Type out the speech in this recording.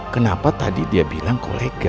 kenapa tadi dia bilang kolega